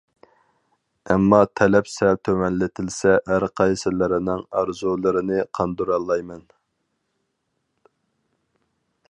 ئەمما تەلەپ سەل تۆۋەنلىتىلسە ھەر قايسىلىرىنىڭ ئارزۇلىرىنى قاندۇرالايمەن.